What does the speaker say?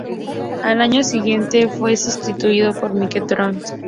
Al año siguiente fue sustituido por Mike D'Antoni.